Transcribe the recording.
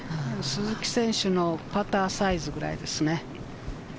鈴木選手のパターサイズくらいです。